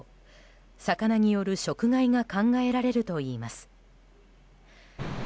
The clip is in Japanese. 魚による食害が考えられるといいます。